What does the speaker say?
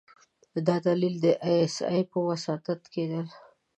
دا ليدل د ای اس ای په وساطت کېدل.